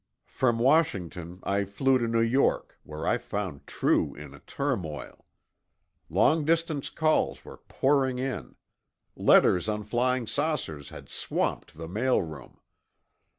From Washington I flew to New York, where I found True in a turmoil. Long distance calls were pouring in. Letters on flying saucers had swamped the mail room.